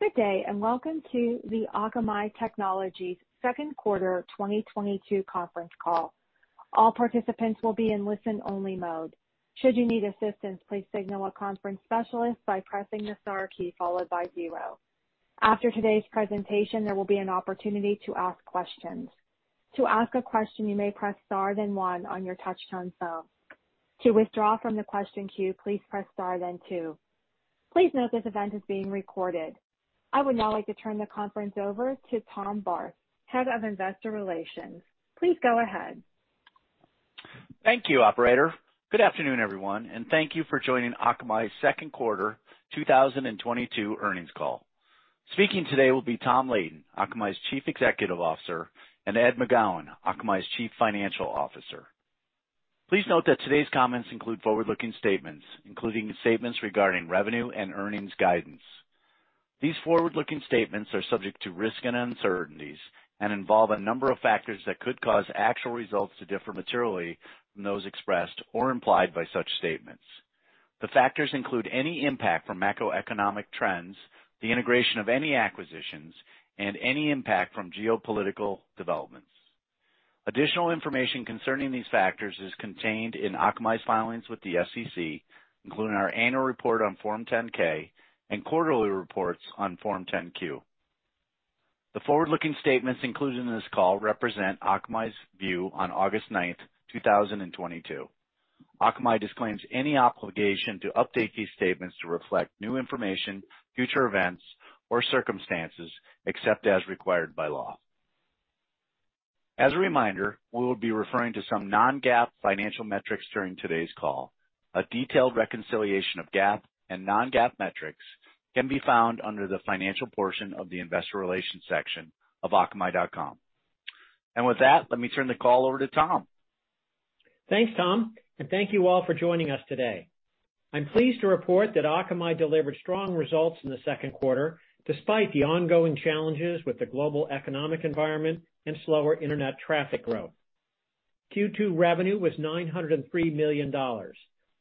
Good day, and welcome to the Akamai Technologies second quarter 2022 conference call. All participants will be in listen-only mode. Should you need assistance, please signal a conference specialist by pressing the star key followed by zero. After today's presentation, there will be an opportunity to ask questions. To ask a question, you may press star then one on your touchtone phone. To withdraw from the question queue, please press star then two. Please note this event is being recorded. I would now like to turn the conference over to Tom Barth, Head of Investor Relations. Please go ahead. Thank you, operator. Good afternoon, everyone, and thank you for joining Akamai's second quarter 2022 earnings call. Speaking today will be Tom Leighton, Akamai's Chief Executive Officer, and Ed McGowan, Akamai's Chief Financial Officer. Please note that today's comments include forward-looking statements, including statements regarding revenue and earnings guidance. These forward-looking statements are subject to risks and uncertainties and involve a number of factors that could cause actual results to differ materially from those expressed or implied by such statements. The factors include any impact from macroeconomic trends, the integration of any acquisitions, and any impact from geopolitical developments. Additional information concerning these factors is contained in Akamai's filings with the SEC, including our annual report on Form 10-K and quarterly reports on Form 10-Q. The forward-looking statements included in this call represent Akamai's view on August 9, 2022. Akamai disclaims any obligation to update these statements to reflect new information, future events or circumstances except as required by law. As a reminder, we will be referring to some non-GAAP financial metrics during today's call. A detailed reconciliation of GAAP and non-GAAP metrics can be found under the financial portion of the investor relations section of akamai.com. With that, let me turn the call over to Tom. Thanks, Tom, and thank you all for joining us today. I'm pleased to report that Akamai delivered strong results in the second quarter, despite the ongoing challenges with the global economic environment and slower internet traffic growth. Q2 revenue was $903 million,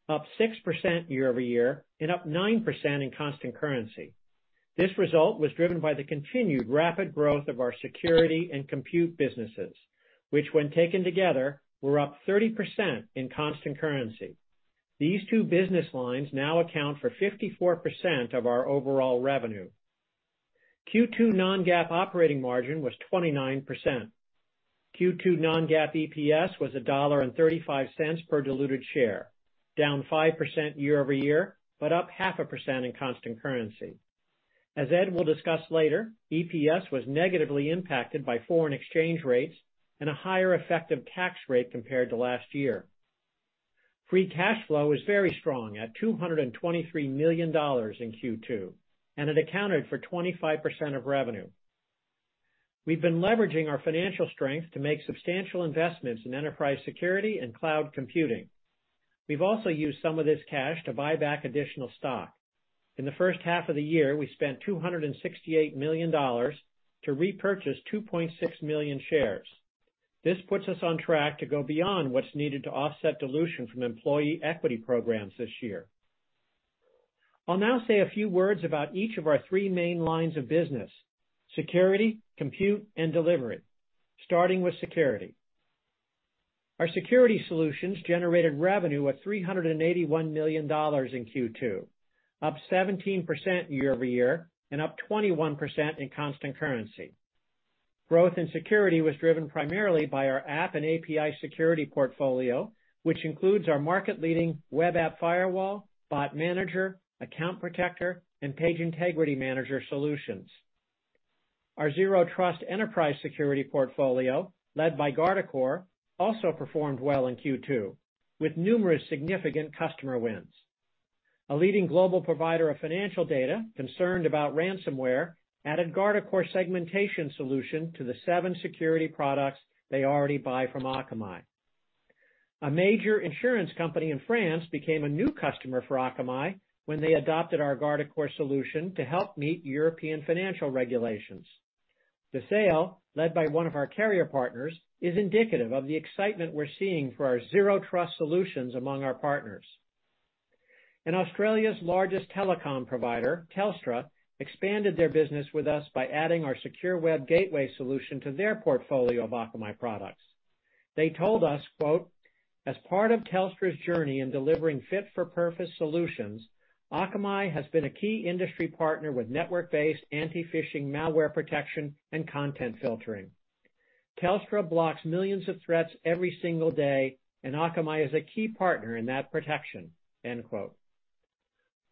up 6% year-over-year and up 9% in constant currency. This result was driven by the continued rapid growth of our security and compute businesses, which, when taken together, were up 30% in constant currency. These two business lines now account for 54% of our overall revenue. Q2 non-GAAP operating margin was 29%. Q2 non-GAAP EPS was $1.35 per diluted share, down 5% year-over-year, but up 0.5% in constant currency. As Ed will discuss later, EPS was negatively impacted by foreign exchange rates and a higher effective tax rate compared to last year. Free cash flow is very strong at $223 million in Q2, and it accounted for 25% of revenue. We've been leveraging our financial strength to make substantial investments in enterprise security and cloud computing. We've also used some of this cash to buy back additional stock. In the first half of the year, we spent $268 million to repurchase 2.6 million shares. This puts us on track to go beyond what's needed to offset dilution from employee equity programs this year. I'll now say a few words about each of our three main lines of business, security, compute, and delivery. Starting with security. Our security solutions generated revenue of $381 million in Q2, up 17% year-over-year and up 21% in constant currency. Growth in security was driven primarily by our app and API security portfolio, which includes our market-leading Web App Firewall, Bot Manager, Account Protector, and Page Integrity Manager solutions. Our Zero Trust enterprise security portfolio, led by Guardicore, also performed well in Q2 with numerous significant customer wins. A leading global provider of financial data concerned about ransomware added Guardicore Segmentation solution to the seven security products they already buy from Akamai. A major insurance company in France became a new customer for Akamai when they adopted our Guardicore solution to help meet European financial regulations. The sale, led by one of our carrier partners, is indicative of the excitement we're seeing for our Zero Trust solutions among our partners. Australia's largest telecom provider, Telstra, expanded their business with us by adding our Secure Web Gateway solution to their portfolio of Akamai products. They told us, quote, "As part of Telstra's journey in delivering fit-for-purpose solutions, Akamai has been a key industry partner with network-based anti-phishing malware protection and content filtering. Telstra blocks millions of threats every single day, and Akamai is a key partner in that protection." End quote.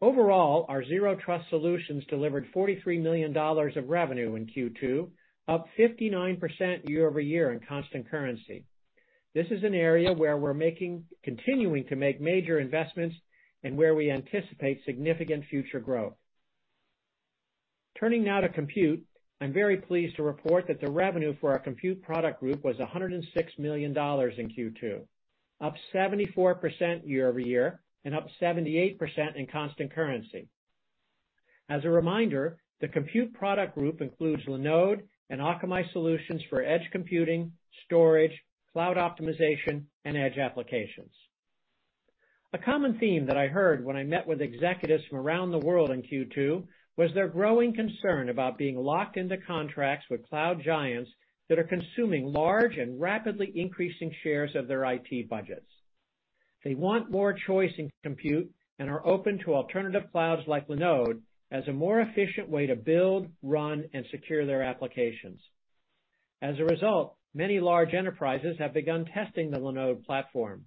Overall, our Zero Trust solutions delivered $43 million of revenue in Q2, up 59% year-over-year in constant currency. This is an area where we're continuing to make major investments and where we anticipate significant future growth. Turning now to compute, I'm very pleased to report that the revenue for our compute product group was $106 million in Q2, up 74% year-over-year and up 78% in constant currency. As a reminder, the compute product group includes Linode and Akamai solutions for edge computing, storage, cloud optimization, and edge applications. A common theme that I heard when I met with executives from around the world in Q2 was their growing concern about being locked into contracts with cloud giants that are consuming large and rapidly increasing shares of their IT budgets. They want more choice in compute and are open to alternative clouds like Linode as a more efficient way to build, run, and secure their applications. As a result, many large enterprises have begun testing the Linode platform,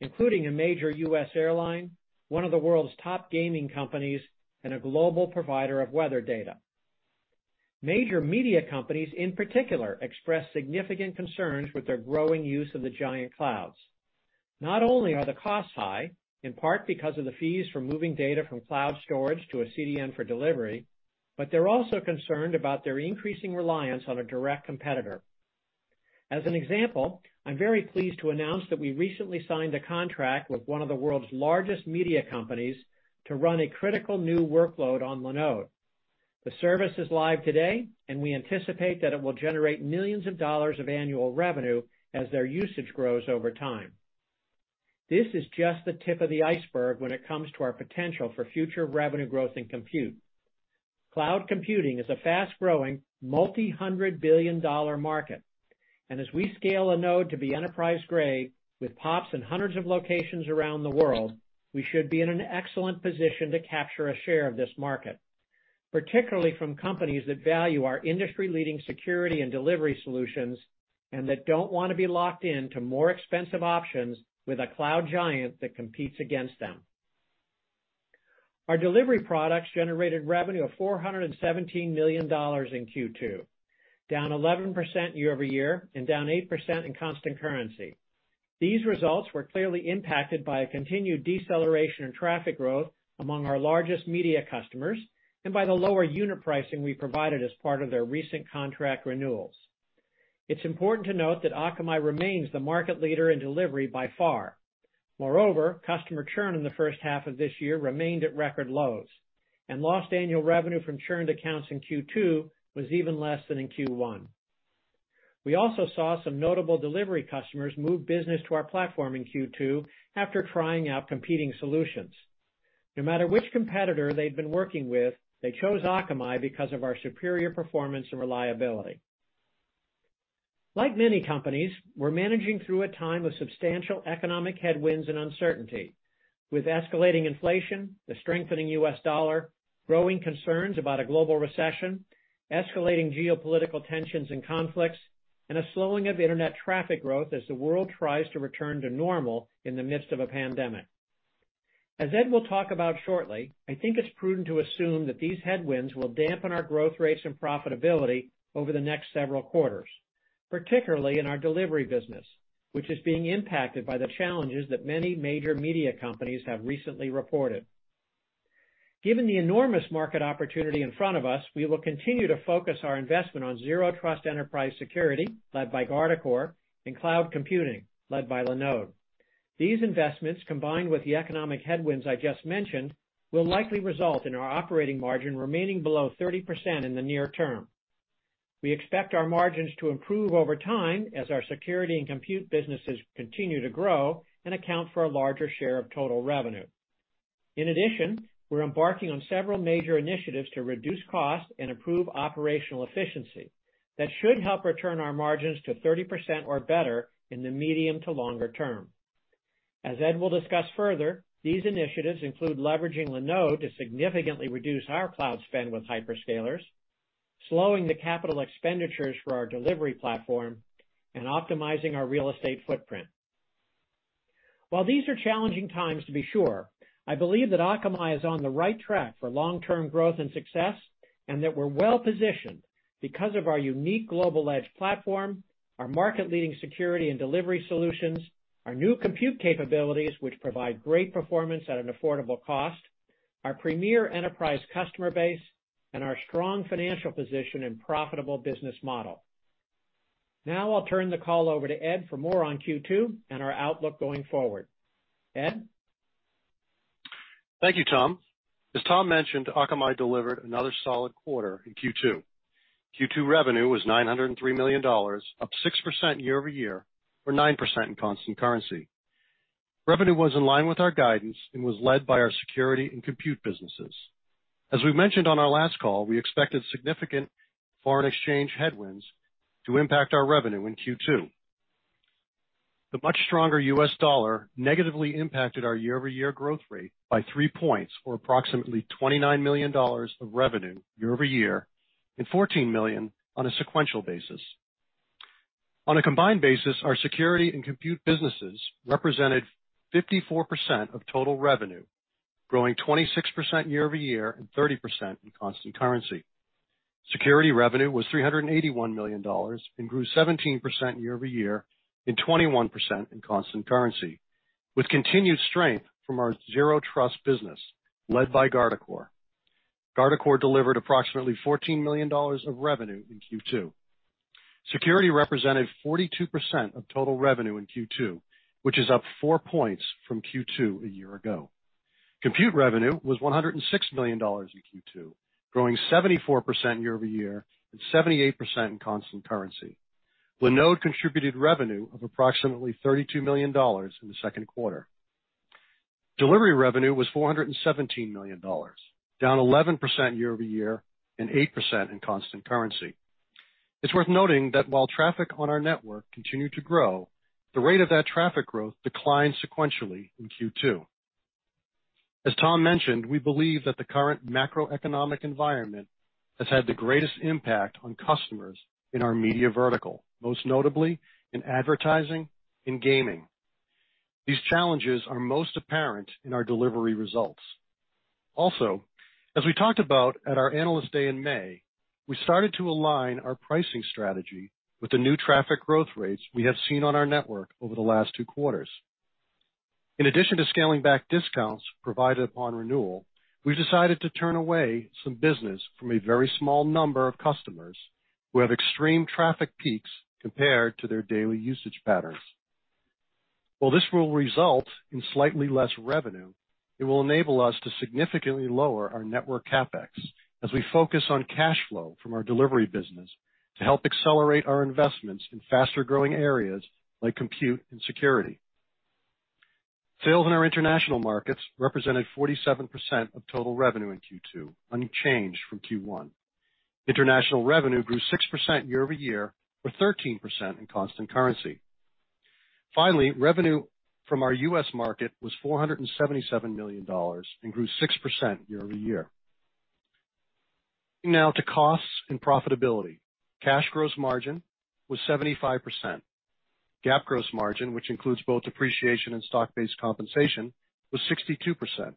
including a major U.S. airline, one of the world's top gaming companies, and a global provider of weather data. Major media companies in particular express significant concerns with their growing use of the giant clouds. Not only are the costs high, in part because of the fees for moving data from cloud storage to a CDN for delivery, but they're also concerned about their increasing reliance on a direct competitor. As an example, I'm very pleased to announce that we recently signed a contract with one of the world's largest media companies to run a critical new workload on Linode. The service is live today, and we anticipate that it will generate $ millions of annual revenue as their usage grows over time. This is just the tip of the iceberg when it comes to our potential for future revenue growth in compute. Cloud computing is a fast-growing, multi-hundred billion dollar market, and as we scale a node to be enterprise-grade with pops in hundreds of locations around the world, we should be in an excellent position to capture a share of this market, particularly from companies that value our industry-leading security and delivery solutions, and that don't wanna be locked in to more expensive options with a cloud giant that competes against them. Our delivery products generated revenue of $417 million in Q2, down 11% year-over-year and down 8% in constant currency. These results were clearly impacted by a continued deceleration in traffic growth among our largest media customers and by the lower unit pricing we provided as part of their recent contract renewals. It's important to note that Akamai remains the market leader in delivery by far. Moreover, customer churn in the first half of this year remained at record lows, and lost annual revenue from churned accounts in Q2 was even less than in Q1. We also saw some notable delivery customers move business to our platform in Q2 after trying out competing solutions. No matter which competitor they'd been working with, they chose Akamai because of our superior performance and reliability. Like many companies, we're managing through a time of substantial economic headwinds and uncertainty with escalating inflation, the strengthening U.S. dollar, growing concerns about a global recession, escalating geopolitical tensions and conflicts, and a slowing of internet traffic growth as the world tries to return to normal in the midst of a pandemic. As Ed will talk about shortly, I think it's prudent to assume that these headwinds will dampen our growth rates and profitability over the next several quarters, particularly in our delivery business, which is being impacted by the challenges that many major media companies have recently reported. Given the enormous market opportunity in front of us, we will continue to focus our investment on Zero Trust enterprise security, led by Guardicore, and cloud computing, led by Linode. These investments, combined with the economic headwinds I just mentioned, will likely result in our operating margin remaining below 30% in the near term. We expect our margins to improve over time as our security and compute businesses continue to grow and account for a larger share of total revenue. In addition, we're embarking on several major initiatives to reduce costs and improve operational efficiency that should help return our margins to 30% or better in the medium to longer term. As Ed will discuss further, these initiatives include leveraging Linode to significantly reduce our cloud spend with hyperscalers, slowing the capital expenditures for our delivery platform, and optimizing our real estate footprint. While these are challenging times to be sure, I believe that Akamai is on the right track for long-term growth and success, and that we're well-positioned because of our unique global edge platform, our market-leading security and delivery solutions, our new compute capabilities, which provide great performance at an affordable cost, our premier enterprise customer base, and our strong financial position and profitable business model. Now I'll turn the call over to Ed for more on Q2 and our outlook going forward. Ed? Thank you, Tom. As Tom mentioned, Akamai delivered another solid quarter in Q2. Q2 revenue was $903 million, up 6% year-over-year, or 9% in constant currency. Revenue was in line with our guidance and was led by our security and compute businesses. As we mentioned on our last call, we expected significant foreign exchange headwinds to impact our revenue in Q2. The much stronger US dollar negatively impacted our year-over-year growth rate by three points or approximately $29 million of revenue year-over-year and $14 million on a sequential basis. On a combined basis, our security and compute businesses represented 54% of total revenue, growing 26% year-over-year and 30% in constant currency. Security revenue was $381 million and grew 17% year-over-year and 21% in constant currency, with continued strength from our Zero Trust business led by Guardicore. Guardicore delivered approximately $14 million of revenue in Q2. Security represented 42% of total revenue in Q2, which is up four points from Q2 a year ago. Compute revenue was $106 million in Q2, growing 74% year-over-year and 78% in constant currency. Linode contributed revenue of approximately $32 million in the second quarter. Delivery revenue was $417 million, down 11% year-over-year, and 8% in constant currency. It's worth noting that while traffic on our network continued to grow, the rate of that traffic growth declined sequentially in Q2. As Tom mentioned, we believe that the current macroeconomic environment has had the greatest impact on customers in our media vertical, most notably in advertising and gaming. These challenges are most apparent in our delivery results. Also, as we talked about at our Analyst Day in May, we started to align our pricing strategy with the new traffic growth rates we have seen on our network over the last two quarters. In addition to scaling back discounts provided upon renewal, we've decided to turn away some business from a very small number of customers who have extreme traffic peaks compared to their daily usage patterns. While this will result in slightly less revenue, it will enable us to significantly lower our network CapEx as we focus on cash flow from our delivery business to help accelerate our investments in faster-growing areas like compute and security. Sales in our international markets represented 47% of total revenue in Q2, unchanged from Q1. International revenue grew 6% year-over-year, or 13% in constant currency. Finally, revenue from our U.S. market was $477 million and grew 6% year-over-year. Moving now to costs and profitability. Cash gross margin was 75%. GAAP gross margin, which includes both depreciation and stock-based compensation, was 62%.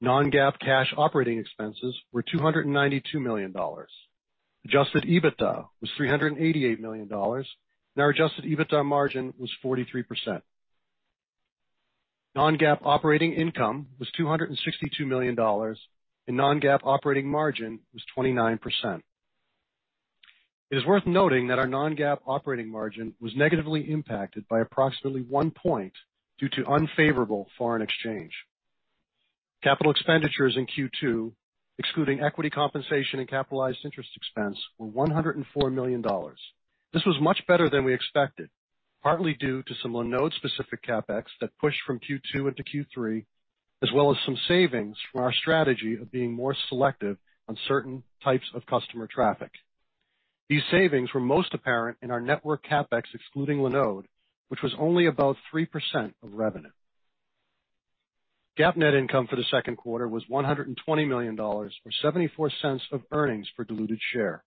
Non-GAAP cash operating expenses were $292 million. Adjusted EBITDA was $388 million, and our Adjusted EBITDA margin was 43%. Non-GAAP operating income was $262 million, and non-GAAP operating margin was 29%. It is worth noting that our non-GAAP operating margin was negatively impacted by approximately 1 point due to unfavorable foreign exchange. Capital expenditures in Q2, excluding equity compensation and capitalized interest expense, were $104 million. This was much better than we expected, partly due to some Linode-specific CapEx that pushed from Q2 into Q3, as well as some savings from our strategy of being more selective on certain types of customer traffic. These savings were most apparent in our network CapEx excluding Linode, which was only about 3% of revenue. GAAP net income for the second quarter was $120 million or $0.74 per diluted share.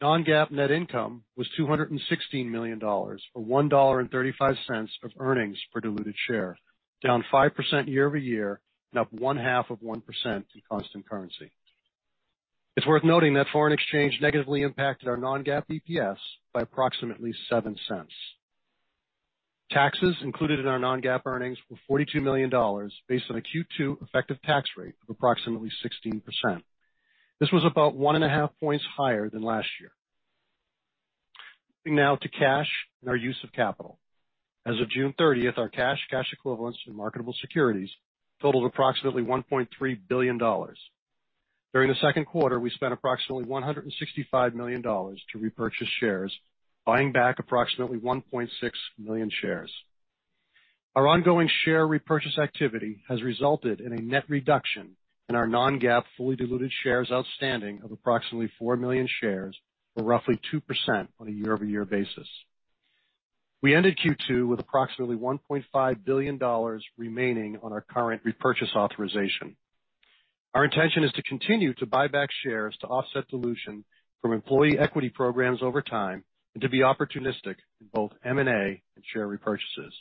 non-GAAP net income was $216 million, or $1.35 per diluted share, down 5% year-over-year and up 0.5% in constant currency. It's worth noting that foreign exchange negatively impacted our non-GAAP EPS by approximately $0.07. Taxes included in our non-GAAP earnings were $42 million based on a Q2 effective tax rate of approximately 16%. This was about 1.5 points higher than last year. Moving now to cash and our use of capital. As of June 30, our cash equivalents, and marketable securities totaled approximately $1.3 billion. During the second quarter, we spent approximately $165 million to repurchase shares, buying back approximately 1.6 million shares. Our ongoing share repurchase activity has resulted in a net reduction in our non-GAAP fully diluted shares outstanding of approximately 4 million shares, or roughly 2% on a year-over-year basis. We ended Q2 with approximately $1.5 billion remaining on our current repurchase authorization. Our intention is to continue to buy back shares to offset dilution from employee equity programs over time and to be opportunistic in both M&A and share repurchases.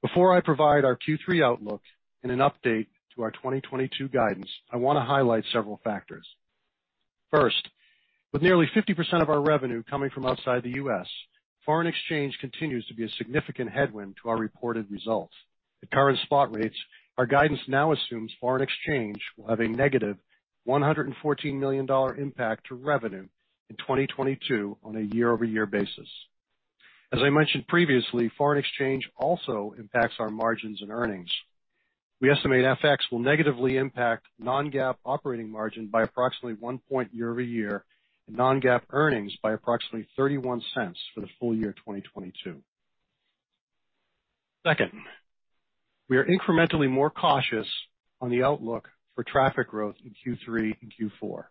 Before I provide our Q3 outlook and an update to our 2022 guidance, I want to highlight several factors. First, with nearly 50% of our revenue coming from outside the U.S., foreign exchange continues to be a significant headwind to our reported results. At current spot rates, our guidance now assumes foreign exchange will have a negative $114 million impact to revenue in 2022 on a year-over-year basis. As I mentioned previously, foreign exchange also impacts our margins and earnings. We estimate FX will negatively impact non-GAAP operating margin by approximately one point year-over-year, and non-GAAP earnings by approximately $0.31 for the full-year 2022. Second, we are incrementally more cautious on the outlook for traffic growth in Q3 and Q4.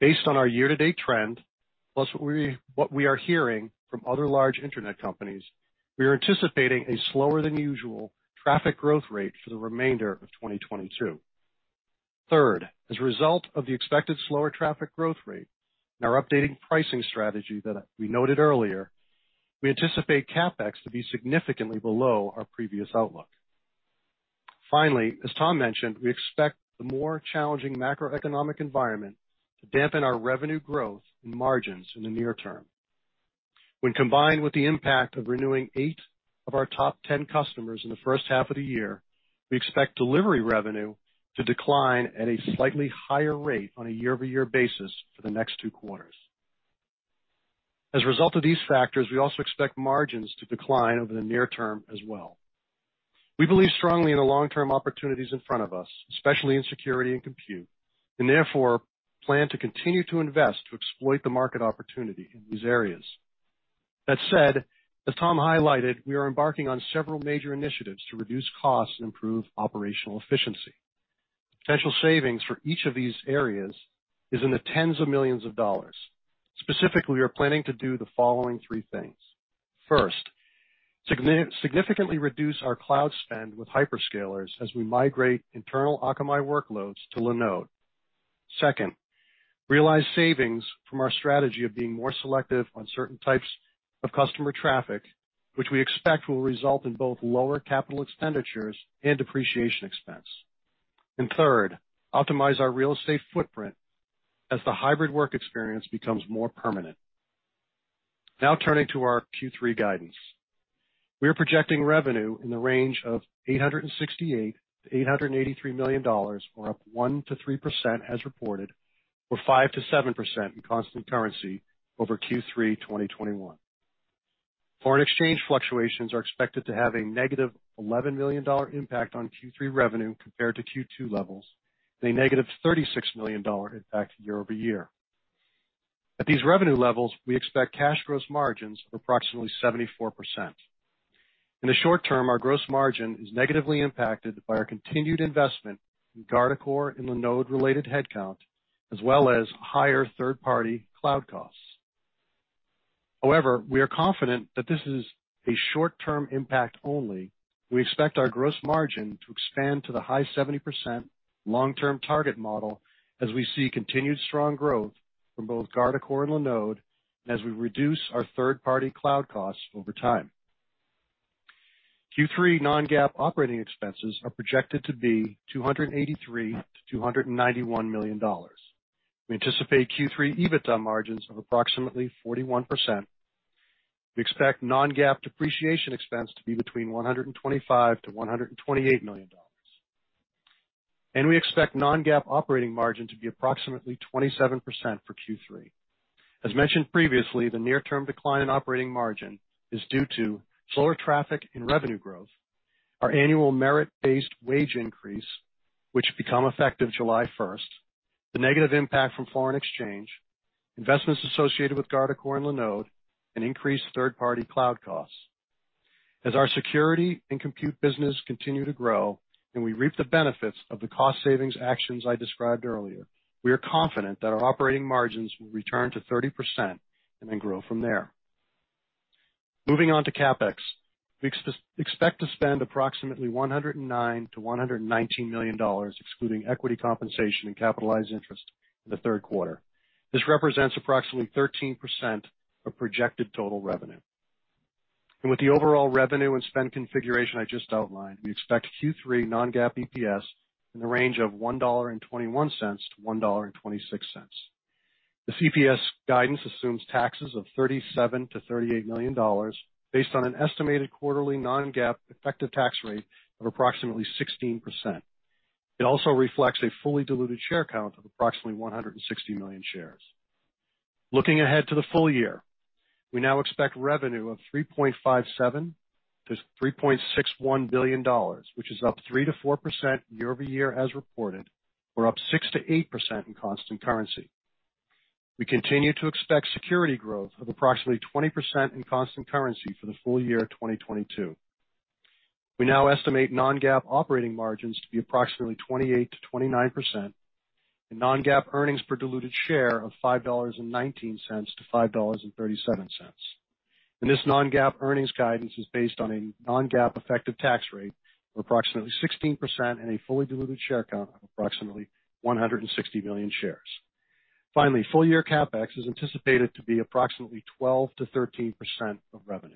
Based on our year-to-date trend, plus what we are hearing from other large internet companies, we are anticipating a slower than usual traffic growth rate for the remainder of 2022. Third, as a result of the expected slower traffic growth rate and our updating pricing strategy that we noted earlier, we anticipate CapEx to be significantly below our previous outlook. Finally, as Tom mentioned, we expect the more challenging macroeconomic environment to dampen our revenue growth and margins in the near term. When combined with the impact of renewing eight of our top 10 customers in the first half of the year, we expect delivery revenue to decline at a slightly higher rate on a year-over-year basis for the next two quarters. As a result of these factors, we also expect margins to decline over the near term as well. We believe strongly in the long-term opportunities in front of us, especially in security and compute, and therefore plan to continue to invest to exploit the market opportunity in these areas. That said, as Tom highlighted, we are embarking on several major initiatives to reduce costs and improve operational efficiency. Potential savings for each of these areas is in the tens of millions of dollars. Specifically, we are planning to do the following three things. First, significantly reduce our cloud spend with hyperscalers as we migrate internal Akamai workloads to Linode. Second, realize savings from our strategy of being more selective on certain types of customer traffic, which we expect will result in both lower capital expenditures and depreciation expense. Third, optimize our real estate footprint as the hybrid work experience becomes more permanent. Now turning to our Q3 guidance. We are projecting revenue in the range of $868 million-$883 million, or up 1%-3% as reported, or 5%-7% in constant currency over Q3 2021. Foreign exchange fluctuations are expected to have a negative $11 million impact on Q3 revenue compared to Q2 levels, and a negative $36 million impact year-over-year. At these revenue levels, we expect cash gross margins of approximately 74%. In the short term, our gross margin is negatively impacted by our continued investment in Guardicore and Linode-related headcount, as well as higher third-party cloud costs. However, we are confident that this is a short-term impact only. We expect our gross margin to expand to the high 70% long-term target model as we see continued strong growth from both Guardicore and Linode as we reduce our third-party cloud costs over time. Q3 non-GAAP operating expenses are projected to be $283 million-$291 million. We anticipate Q3 EBITDA margins of approximately 41%. We expect non-GAAP depreciation expense to be between $125 million-$128 million. We expect non-GAAP operating margin to be approximately 27% for Q3. As mentioned previously, the near-term decline in operating margin is due to slower traffic and revenue growth, our annual merit-based wage increase, which become effective July first, the negative impact from foreign exchange, investments associated with Guardicore and Linode, and increased third-party cloud costs. As our security and compute business continue to grow, and we reap the benefits of the cost savings actions I described earlier, we are confident that our operating margins will return to 30% and then grow from there. Moving on to CapEx. We expect to spend approximately $109-$119 million, excluding equity compensation and capitalized interest in the third quarter. This represents approximately 13% of projected total revenue. With the overall revenue and spend configuration I just outlined, we expect Q3 non-GAAP EPS in the range of $1.21-$1.26. The EPS guidance assumes taxes of $37 million-$38 million based on an estimated quarterly non-GAAP effective tax rate of approximately 16%. It also reflects a fully diluted share count of approximately 160 million shares. Looking ahead to the full-year, we now expect revenue of $3.57 billion-$3.61 billion, which is up 3%-4% year-over-year as reported, or up 6%-8% in constant currency. We continue to expect security growth of approximately 20% in constant currency for the ful- year of 2022. We now estimate non-GAAP operating margins to be approximately 28%-29% and non-GAAP earnings per diluted share of $5.19-$5.37. This non-GAAP earnings guidance is based on a non-GAAP effective tax rate of approximately 16% and a fully diluted share count of approximately 160 million shares. Finally, full-year CapEx is anticipated to be approximately 12%-13% of revenue.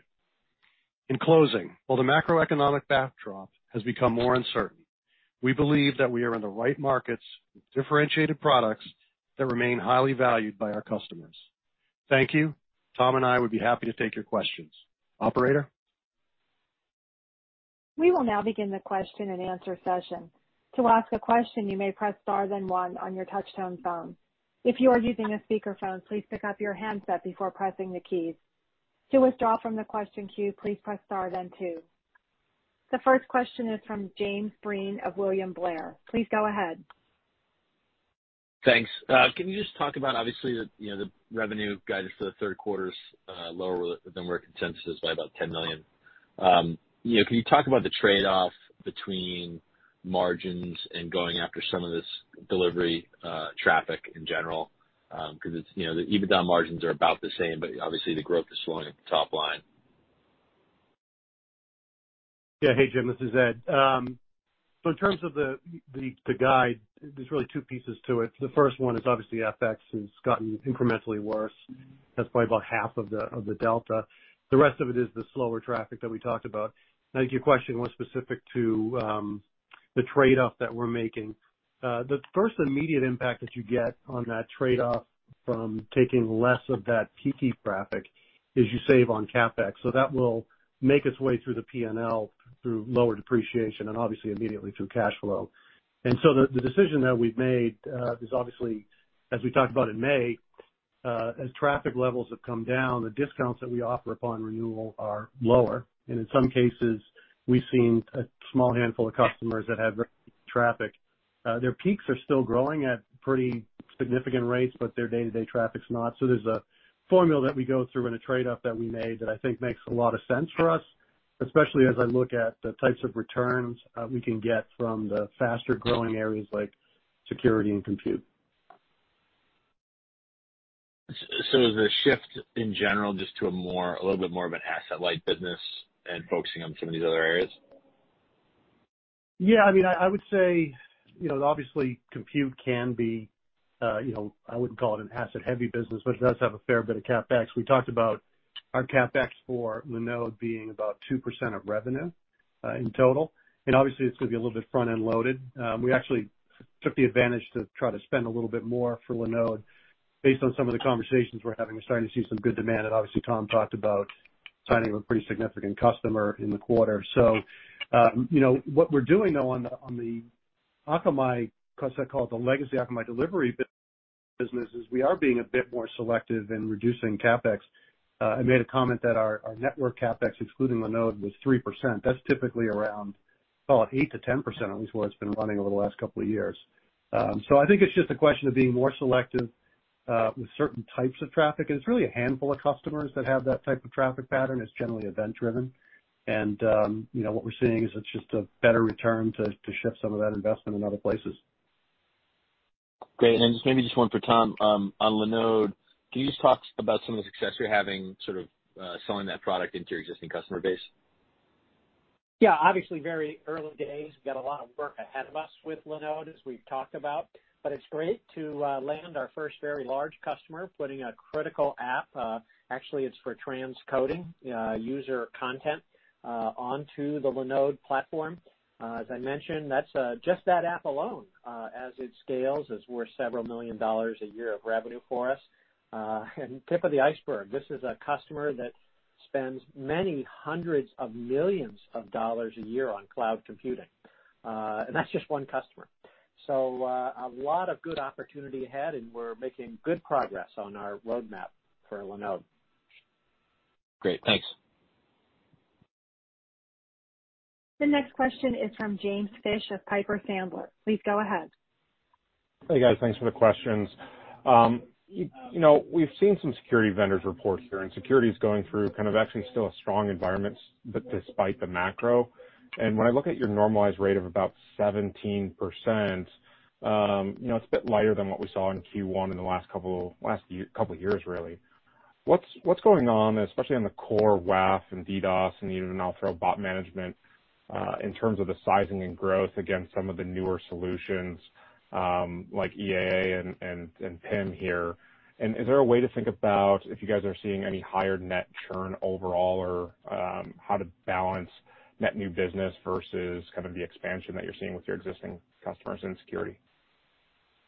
In closing, while the macroeconomic backdrop has become more uncertain, we believe that we are in the right markets with differentiated products that remain highly valued by our customers. Thank you. Tom and I would be happy to take your questions. Operator? We will now begin the question and answer session. To ask a question, you may press star then one on your touch-tone phone. If you are using a speaker phone, please pick up your handset before pressing the keys. To withdraw from the question queue, please press star then two. The first question is from James Breen of William Blair. Please go ahead. Thanks. Can you just talk about, obviously, the revenue guidance for the third quarter is lower than where consensus is by about $10 million. You know, can you talk about the trade-off between margins and going after some of this delivery traffic in general? 'Cause it's you know, the EBITDA margins are about the same, but obviously the growth is slowing at the top line. Yeah. Hey, Jim, this is Ed. In terms of the guide, there's really two pieces to it. The first one is obviously FX has gotten incrementally worse. That's probably about half of the delta. The rest of it is the slower traffic that we talked about. I think your question was specific to the trade-off that we're making. The first immediate impact that you get on that trade-off from taking less of that peaky traffic- If you save on CapEx. That will make its way through the P&L, through lower depreciation and obviously immediately through cash flow. The decision that we've made is obviously, as we talked about in May, as traffic levels have come down, the discounts that we offer upon renewal are lower. In some cases, we've seen a small handful of customers that have traffic. Their peaks are still growing at pretty significant rates, but their day-to-day traffic's not. There's a formula that we go through and a trade-off that we made that I think makes a lot of sense for us, especially as I look at the types of returns we can get from the faster-growing areas like security and compute. Is the shift in general just to a more, a little bit more of an asset-light business and focusing on some of these other areas? Yeah, I mean, I would say, you know, obviously compute can be, you know, I wouldn't call it an asset-heavy business, but it does have a fair bit of CapEx. We talked about our CapEx for Linode being about 2% of revenue, in total, and obviously it's gonna be a little bit front-end loaded. We actually took the advantage to try to spend a little bit more for Linode based on some of the conversations we're having. We're starting to see some good demand, and obviously Tom talked about signing of a pretty significant customer in the quarter. What we're doing though on the Akamai, 'cause I call it the legacy Akamai delivery business, is we are being a bit more selective in reducing CapEx. I made a comment that our network CapEx, excluding Linode, was 3%. That's typically around, call it 8%-10%, at least where it's been running over the last couple of years. I think it's just a question of being more selective with certain types of traffic, and it's really a handful of customers that have that type of traffic pattern. It's generally event-driven. You know, what we're seeing is it's just a better return to shift some of that investment in other places. Great. Maybe just one for Tom. On Linode, can you just talk about some of the success you're having sort of selling that product into your existing customer base? Yeah. Obviously very early days. We've got a lot of work ahead of us with Linode, as we've talked about, but it's great to land our first very large customer putting a critical app, actually it's for transcoding, user content, onto the Linode platform. As I mentioned, that's just that app alone, as it scales, is worth $several million a year of revenue for us. Tip of the iceberg, this is a customer that spends $many hundreds of millions a year on cloud computing. That's just one customer. A lot of good opportunity ahead, and we're making good progress on our roadmap for Linode. Great. Thanks. The next question is from James Fish of Piper Sandler. Please go ahead. Hey, guys. Thanks for the questions. You know, we've seen some security vendors report here, and security is going through kind of actually still a strong environment, but despite the macro. When I look at your normalized rate of about 17%, you know, it's a bit lighter than what we saw in Q1 in the last couple of years, really. What's going on, especially on the core WAF and DDoS, and even I'll throw bot management in terms of the sizing and growth against some of the newer solutions, like EAA and ETP here. Is there a way to think about if you guys are seeing any higher net churn overall or how to balance net new business versus kind of the expansion that you're seeing with your existing customers in security?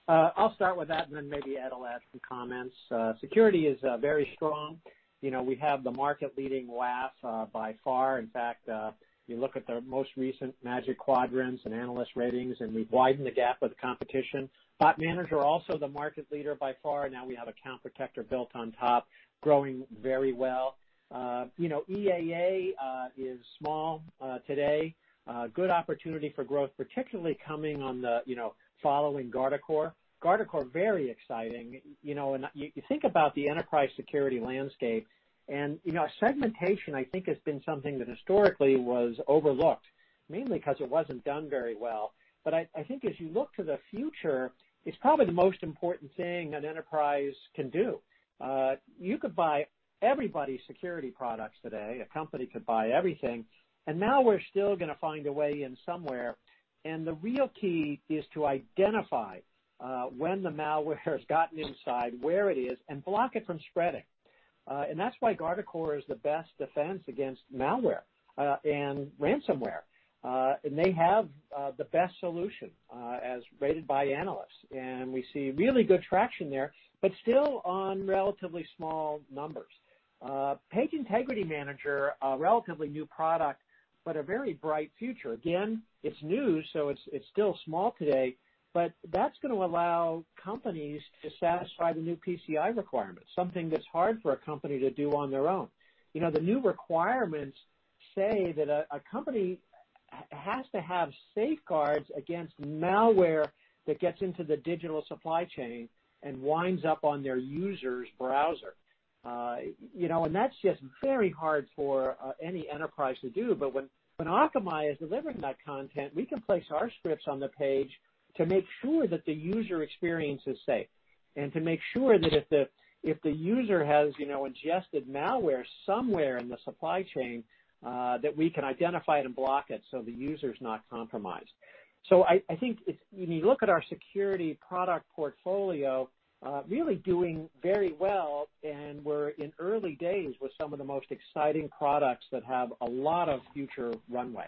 I'll start with that, and then maybe Ed'll add some comments. Security is very strong. You know, we have the market-leading WAF by far. In fact, you look at the most recent Magic Quadrant and analyst ratings, and we've widened the gap of the competition. Bot Manager, also the market leader by far. Now we have Account Protector built on top, growing very well. You know, EAA is small today. Good opportunity for growth, particularly coming on the, you know, following Guardicore. Guardicore, very exciting. You know, and you think about the enterprise security landscape and, you know, segmentation, I think, has been something that historically was overlooked, mainly 'cause it wasn't done very well. I think as you look to the future, it's probably the most important thing an enterprise can do. You could buy everybody's security products today. A company could buy everything, and now we're still gonna find a way in somewhere. The real key is to identify when the malware has gotten inside, where it is, and block it from spreading. That's why Guardicore is the best defense against malware and ransomware. They have the best solution as rated by analysts. We see really good traction there, but still on relatively small numbers. Page Integrity Manager, a relatively new product, but a very bright future. Again, it's new, so it's still small today, but that's gonna allow companies to satisfy the new PCI requirements, something that's hard for a company to do on their own. You know, the new requirements say that a company has to have safeguards against malware that gets into the digital supply chain and winds up on their user's browser. You know, and that's just very hard for any enterprise to do. But when Akamai is delivering that content, we can place our scripts on the page to make sure that the user experience is safe and to make sure that if the user has, you know, ingested malware somewhere in the supply chain, that we can identify it and block it so the user's not compromised. I think it's when you look at our security product portfolio, really doing very well, and we're in early days with some of the most exciting products that have a lot of future runway.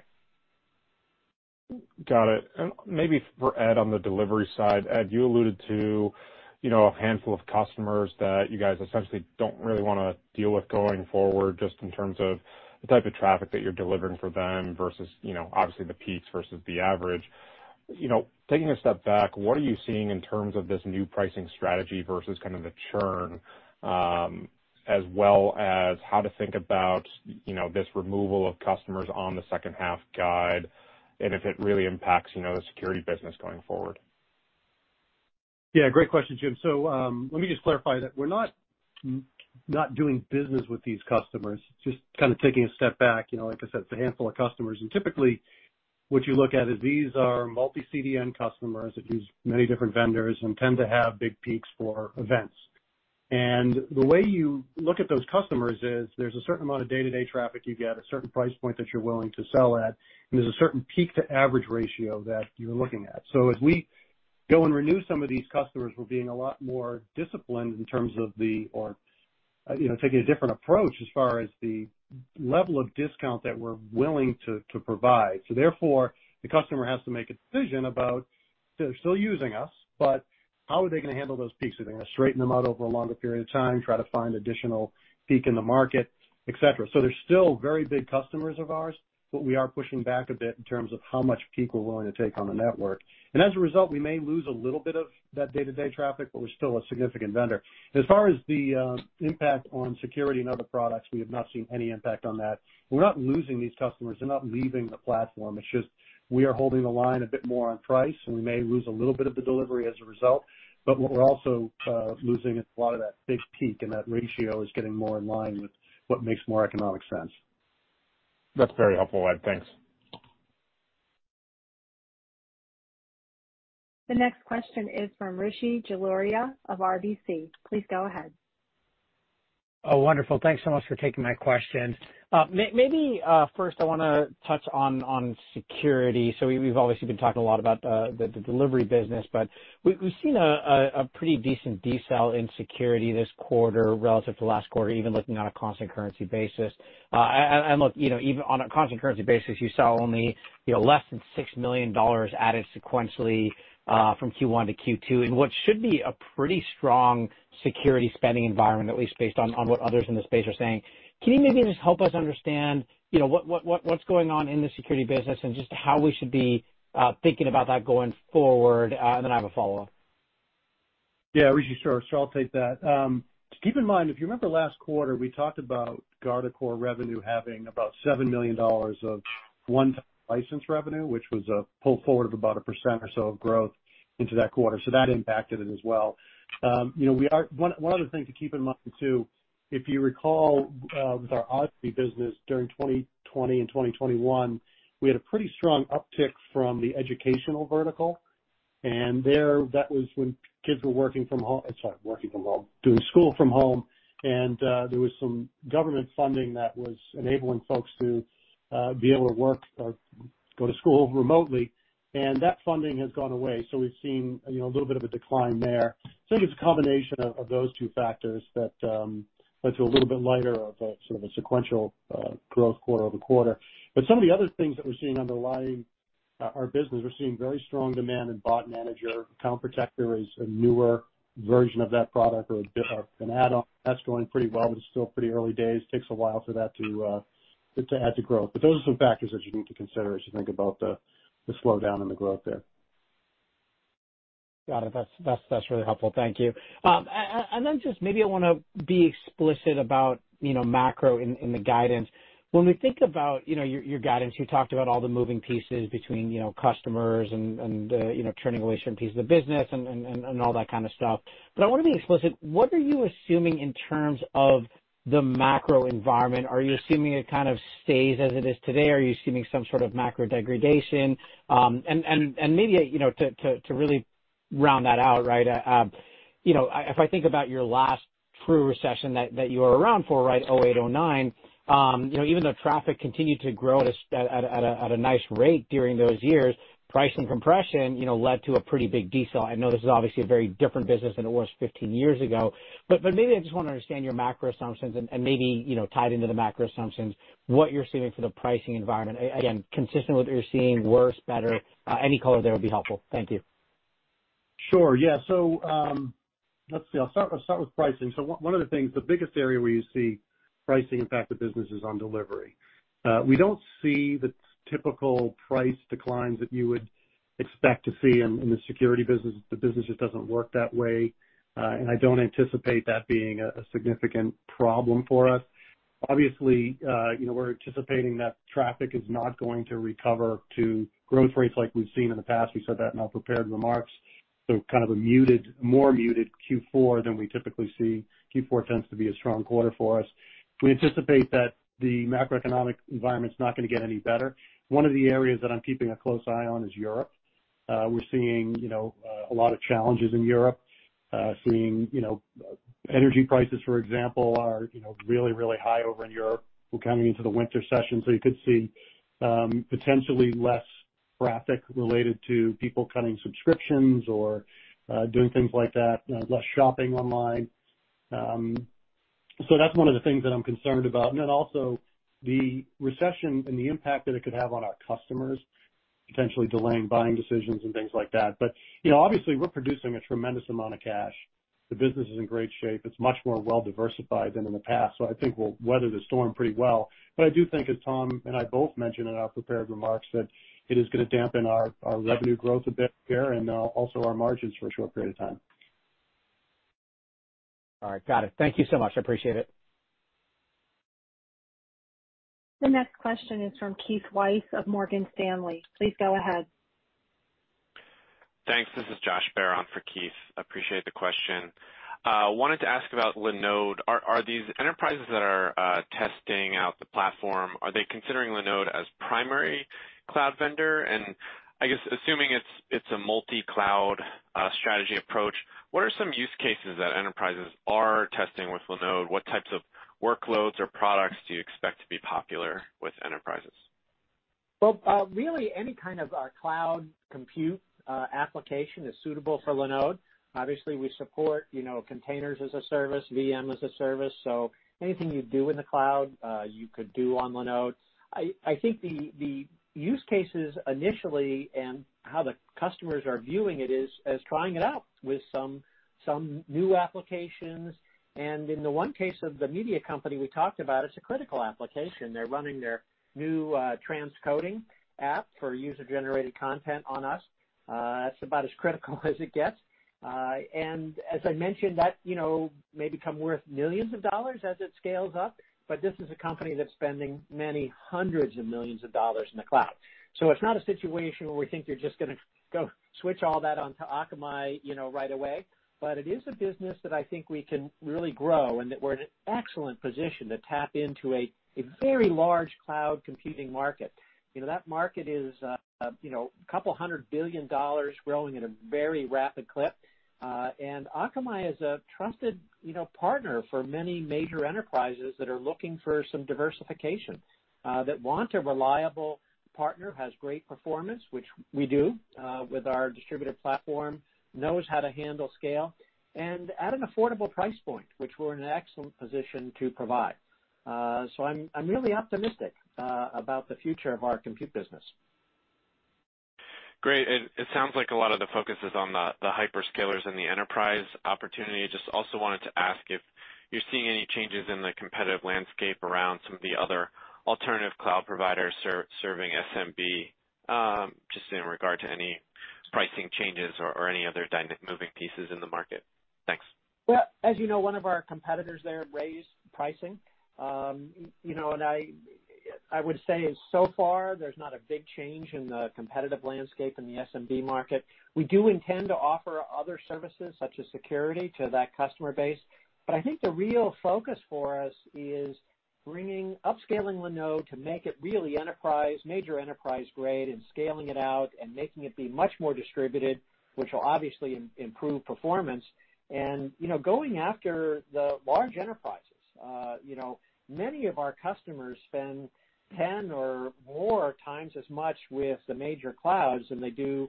Got it. Maybe for Ed on the delivery side. Ed, you alluded to, you know, a handful of customers that you guys essentially don't really wanna deal with going forward just in terms of the type of traffic that you're delivering for them versus, you know, obviously the peaks versus the average. You know, taking a step back, what are you seeing in terms of this new pricing strategy versus kind of the churn, as well as how to think about, you know, this removal of customers on the second half guide, and if it really impacts, you know, the security business going forward? Yeah, great question, Jim. So, let me just clarify that we're not doing business with these customers, just kind of taking a step back, you know, like I said, it's a handful of customers. Typically, what you look at is these are multi-CDN customers that use many different vendors and tend to have big peaks for events. The way you look at those customers is there's a certain amount of day-to-day traffic you get, a certain price point that you're willing to sell at, and there's a certain peak to average ratio that you're looking at. So as we go and renew some of these customers, we're being a lot more disciplined in terms of, you know, taking a different approach as far as the level of discount that we're willing to provide. Therefore, the customer has to make a decision about they're still using us, but how are they gonna handle those peaks? Are they gonna straighten them out over a longer period of time, try to find additional peak in the market, et cetera. They're still very big customers of ours, but we are pushing back a bit in terms of how much peak we're willing to take on the network. As a result, we may lose a little bit of that day-to-day traffic, but we're still a significant vendor. As far as the impact on security and other products, we have not seen any impact on that. We're not losing these customers. They're not leaving the platform. It's just we are holding the line a bit more on price, and we may lose a little bit of the delivery as a result. what we're also losing is a lot of that big peak, and that ratio is getting more in line with what makes more economic sense. That's very helpful, Ed. Thanks. The next question is from Rishi Jaluria of RBC. Please go ahead. Oh, wonderful. Thanks so much for taking my question. Maybe first I wanna touch on security. We've obviously been talking a lot about the delivery business, but we've seen a pretty decent decel in security this quarter relative to last quarter, even looking on a constant currency basis. Look, you know, even on a constant currency basis, you saw only, you know, less than $6 million added sequentially from Q1 to Q2 in what should be a pretty strong security spending environment, at least based on what others in the space are saying. Can you maybe just help us understand, you know, what's going on in the security business and just how we should be thinking about that going forward? Then I have a follow-up. Yeah, Rishi. Sure. I'll take that. Just keep in mind, if you remember last quarter, we talked about Guardicore revenue having about $7 million of one-time license revenue, which was a pull forward of about 1% or so of growth into that quarter. That impacted it as well. You know, one other thing to keep in mind too, if you recall, with our Odyssey business during 2020 and 2021, we had a pretty strong uptick from the educational vertical. There, that was when kids were working from home, doing school from home. There was some government funding that was enabling folks to be able to work or go to school remotely, and that funding has gone away. We've seen a little bit of a decline there. I think it's a combination of those two factors that led to a little bit lighter of a sort of a sequential growth quarter-over-quarter. Some of the other things that we're seeing underlying our business, we're seeing very strong demand in Bot Manager. Account Protector is a newer version of that product or a bit of an add-on. That's going pretty well, but it's still pretty early days. It takes a while for that to add to growth. Those are the factors that you need to consider as you think about the slowdown in the growth there. Got it. That's really helpful. Thank you. Then just maybe I wanna be explicit about, you know, macro in the guidance. When we think about, you know, your guidance, you talked about all the moving pieces between, you know, customers and, you know, turning away certain pieces of the business and all that kind of stuff. I wanna be explicit. What are you assuming in terms of the macro environment? Are you assuming it kind of stays as it is today? Are you assuming some sort of macro degradation? Maybe, you know, to really round that out, right, if I think about your last true recession that you were around for, right, 2008, 2009, you know, even though traffic continued to grow at a nice rate during those years, pricing compression, you know, led to a pretty big decel. I know this is obviously a very different business than it was 15 years ago, but maybe I just wanna understand your macro assumptions and, maybe, you know, tied into the macro assumptions, what you're seeing for the pricing environment. Again, consistent with what you're seeing, worse, better, any color there would be helpful. Thank you. Sure. Yeah. Let's see. I'll start with pricing. One of the things, the biggest area where you see pricing impact the business is on delivery. We don't see the typical price declines that you would expect to see in the security business. The business just doesn't work that way, and I don't anticipate that being a significant problem for us. Obviously, you know, we're anticipating that traffic is not going to recover to growth rates like we've seen in the past. We said that in our prepared remarks. Kind of a more muted Q4 than we typically see. Q4 tends to be a strong quarter for us. We anticipate that the macroeconomic environment's not gonna get any better. One of the areas that I'm keeping a close eye on is Europe. We're seeing, you know, a lot of challenges in Europe, [for example,] energy prices are, you know, really high over in Europe. We're coming into the winter season, so you could see potentially less traffic related to people cutting subscriptions or doing things like that, less shopping online. That's one of the things that I'm concerned about. Then also the recession and the impact that it could have on our customers, potentially delaying buying decisions and things like that. You know, obviously we're producing a tremendous amount of cash. The business is in great shape. It's much more well diversified than in the past. I think we'll weather the storm pretty well. I do think, as Tom and I both mentioned in our prepared remarks, that it is gonna dampen our revenue growth a bit here and also our margins for a short period of time. All right, got it. Thank you so much. I appreciate it. The next question is from Keith Weiss of Morgan Stanley. Please go ahead. Thanks. This is C for Keith. Appreciate the question. Wanted to ask about Linode. Are these enterprises that are testing out the platform, are they considering Linode as primary cloud vendor? I guess assuming it's a multi-cloud strategy approach, what are some use cases that enterprises are testing with Linode? What types of workloads or products do you expect to be popular with enterprises? Well, really any kind of cloud compute application is suitable for Linode. Obviously, we support, you know, Containers as a Service, VM as a Service, so anything you do in the cloud, you could do on Linode. I think the use cases initially and how the customers are viewing it is as trying it out with some new applications. In the one case of the media company we talked about, it's a critical application. They're running their new transcoding app for user-generated content on us. It's about as critical as it gets. As I mentioned, that, you know, may become worth millions of dollars as it scales up, but this is a company that's spending many hundreds of millions of dollars in the cloud. It's not a situation where we think they're just gonna go switch all that onto Akamai, you know, right away. It is a business that I think we can really grow, and that we're in an excellent position to tap into a very large cloud computing market. You know, that market is, you know, $200 billion growing at a very rapid clip. Akamai is a trusted, you know, partner for many major enterprises that are looking for some diversification, that want a reliable partner, has great performance, which we do, with our distributed platform, knows how to handle scale and at an affordable price point, which we're in an excellent position to provide. I'm really optimistic about the future of our compute business. Great. It sounds like a lot of the focus is on the hyperscalers and the enterprise opportunity. Just also wanted to ask if you're seeing any changes in the competitive landscape around some of the other alternative cloud providers serving SMB, just in regard to any pricing changes or any other moving pieces in the market. Thanks. Well, as you know, one of our competitors there raised pricing. You know, I would say so far there's not a big change in the competitive landscape in the SMB market. We do intend to offer other services, such as security, to that customer base. I think the real focus for us is upscaling Linode to make it really enterprise, major enterprise-grade, and scaling it out and making it be much more distributed, which will obviously improve performance. You know, going after the large enterprises, you know, many of our customers spend 10 or more times as much with the major clouds than they do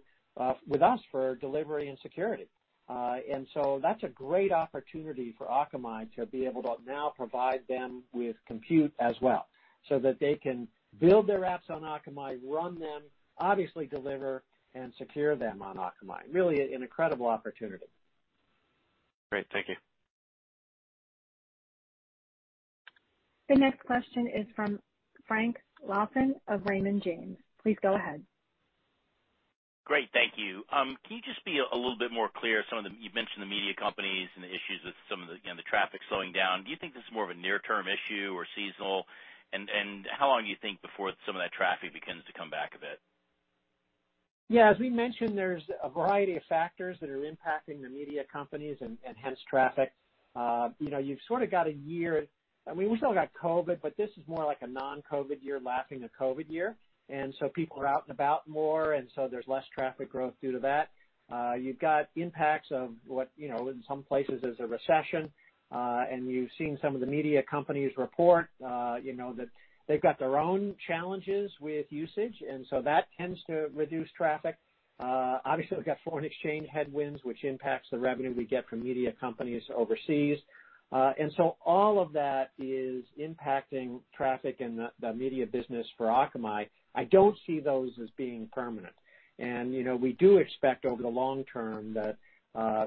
with us for delivery and security. That's a great opportunity for Akamai to be able to now provide them with compute as well, so that they can build their apps on Akamai, run them, obviously deliver and secure them on Akamai. Really an incredible opportunity. Great. Thank you. The next question is from Frank Louthan of Raymond James. Please go ahead. Great, thank you. Can you just be a little bit more clear, you've mentioned the media companies and the issues with some of the, you know, the traffic slowing down? Do you think this is more of a near-term issue or seasonal? How long do you think before some of that traffic begins to come back a bit? Yeah, as we mentioned, there's a variety of factors that are impacting the media companies and hence traffic. You know, you've sort of got a year. I mean, we still got COVID, but this is more like a non-COVID year lacking a COVID year, and so people are out and about more, and so there's less traffic growth due to that. You've got impacts of what, you know, in some places is a recession, and you've seen some of the media companies report, you know, that they've got their own challenges with usage, and so that tends to reduce traffic. Obviously, we've got foreign exchange headwinds, which impacts the revenue we get from media companies overseas. And so all of that is impacting traffic and the media business for Akamai. I don't see those as being permanent. You know, we do expect over the long term that,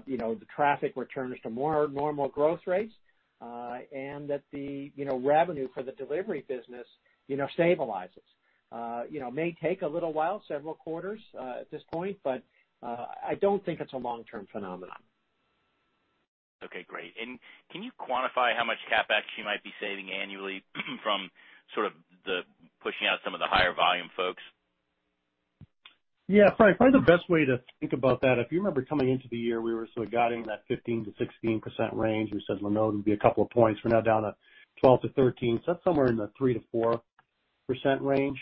you know, the traffic returns to more normal growth rates, and that the, you know, revenue for the delivery business, you know, stabilizes. You know, it may take a little while, several quarters, at this point, but, I don't think it's a long-term phenomenon. Okay, great. Can you quantify how much CapEx you might be saving annually from sort of the pushing out some of the higher volume folks? Yeah, Frank, probably the best way to think about that, if you remember coming into the year, we were sort of guiding that 15%-16% range. We said Linode would be a couple of points. We're now down to 12%-13%, so that's somewhere in the 3%-4% range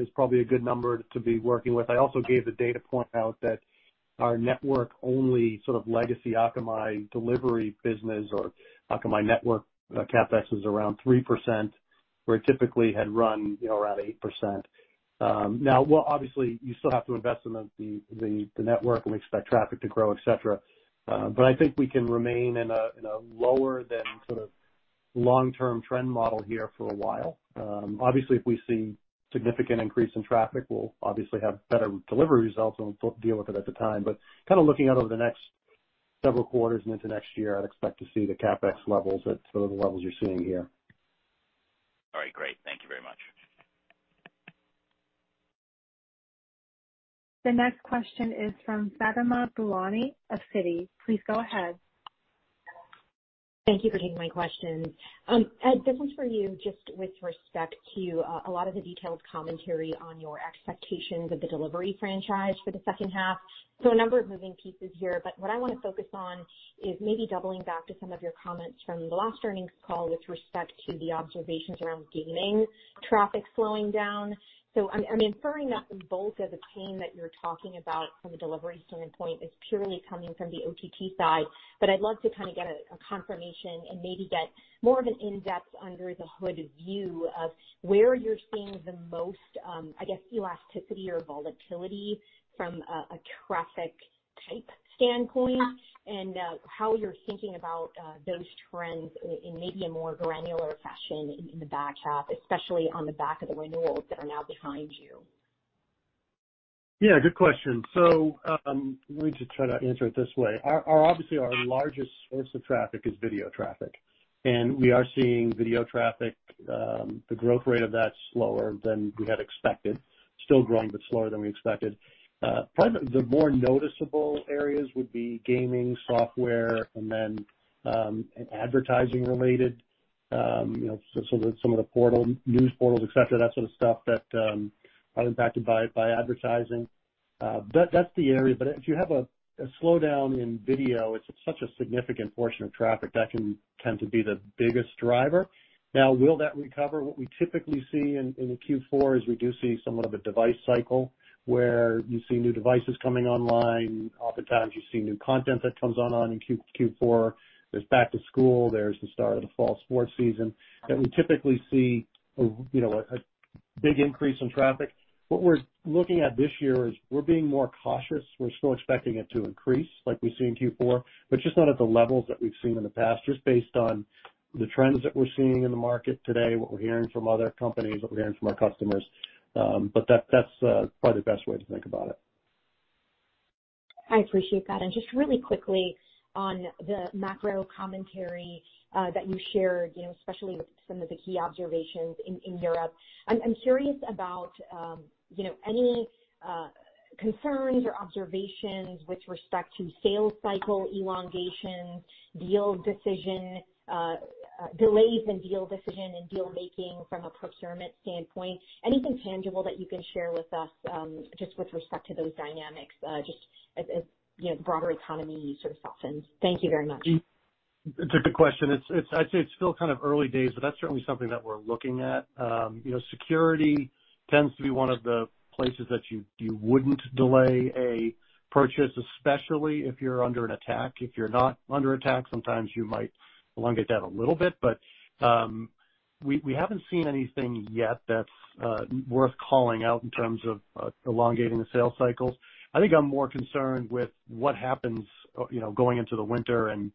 is probably a good number to be working with. I also gave the data point out that our network-only sort of legacy Akamai delivery business or Akamai network CapEx is around 3%. Where it typically had run, you know, around 8%. Now, well, obviously you still have to invest in the network, and we expect traffic to grow, et cetera. I think we can remain in a lower than sort of long-term trend model here for a while. Obviously, if we see significant increase in traffic, we'll obviously have better delivery results and we'll deal with it at the time. Kind of looking out over the next several quarters and into next year, I'd expect to see the CapEx levels at sort of the levels you're seeing here. All right, great. Thank you very much. The next question is from Fatima Boolani of Citi. Please go ahead. Thank you for taking my questions. Ed, this is for you. Just with respect to a lot of the detailed commentary on your expectations of the delivery franchise for the second half. A number of moving pieces here, but what I wanna focus on is maybe doubling back to some of your comments from the last earnings call with respect to the observations around gaming traffic slowing down. I'm inferring that the bulk of the pain that you're talking about from a delivery standpoint is purely coming from the OTT side. I'd love to kinda get a confirmation and maybe get more of an in-depth under the hood view of where you're seeing the most, I guess, elasticity or volatility from a traffic type standpoint, and how you're thinking about those trends in maybe a more granular fashion in the back half, especially on the back of the renewals that are now behind you. Yeah, good question. Let me just try to answer it this way. Obviously, our largest source of traffic is video traffic, and we are seeing video traffic, the growth rate of that slower than we had expected. Still growing, but slower than we expected. Probably the more noticeable areas would be gaming, software, and then, advertising related, you know, so that some of the portal, news portals, et cetera, that sort of stuff that, are impacted by advertising. That's the area. If you have a slowdown in video, it's such a significant portion of traffic that can tend to be the biggest driver. Now, will that recover? What we typically see in Q4 is we do see somewhat of a device cycle where you see new devices coming online. Oftentimes you see new content that comes on in Q4. There's back to school, there's the start of the fall sports season that we typically see, you know, a big increase in traffic. What we're looking at this year is we're being more cautious. We're still expecting it to increase like we see in Q4, but just not at the levels that we've seen in the past, just based on the trends that we're seeing in the market today, what we're hearing from other companies, what we're hearing from our customers. That's probably the best way to think about it. I appreciate that. Just really quickly on the macro commentary that you shared, you know, especially with some of the key observations in Europe. I'm curious about, you know, any concerns or observations with respect to sales cycle elongation, delays in deal decision and deal making from a procurement standpoint. Anything tangible that you can share with us, just with respect to those dynamics, just as you know the broader economy sort of softens. Thank you very much. It's a good question. It's, I'd say it's still kind of early days, but that's certainly something that we're looking at. You know, security tends to be one of the places that you wouldn't delay a purchase, especially if you're under an attack. If you're not under attack, sometimes you might elongate that a little bit, but we haven't seen anything yet that's worth calling out in terms of elongating the sales cycles. I think I'm more concerned with what happens, you know, going into the winter and